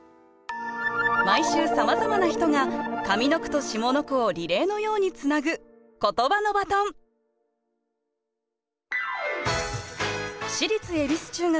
毎週さまざまな人が上の句と下の句をリレーのようにつなぐ私立恵比寿中学